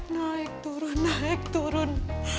naik turun naik turun